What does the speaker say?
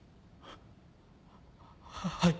はい。